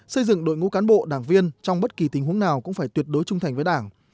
xây dựng đội ngũ cán bộ đảng viên trong bất kỳ tình huống nào cũng phải tuyệt đối trung thành với đảng